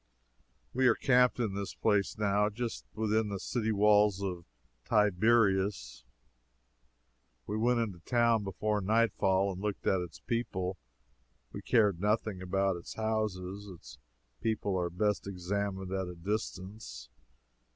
We are camped in this place, now, just within the city walls of Tiberias. We went into the town before nightfall and looked at its people we cared nothing about its houses. Its people are best examined at a distance.